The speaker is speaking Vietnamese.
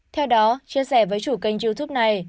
theo đó chia sẻ với chủ kênh youtube này